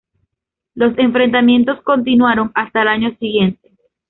Los enfrentamientos continuaron hasta el año siguiente.